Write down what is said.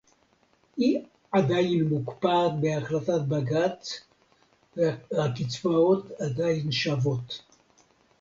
"היא עדיין מוקפאת בהחלטת בג"ץ והקצבאות עדיין שוות"